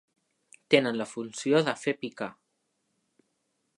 Tenen la funció de fer picar.